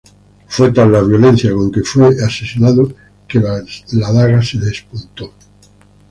Fue tal la violencia con que fue asesinado que la daga se despuntó.